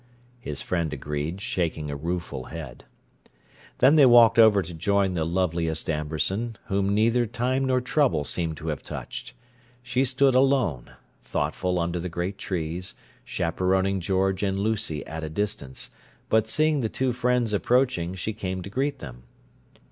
his friend agreed, shaking a rueful head. Then they walked over to join the loveliest Amberson, whom neither time nor trouble seemed to have touched. She stood alone, thoughtful under the great trees, chaperoning George and Lucy at a distance; but, seeing the two friends approaching, she came to meet them.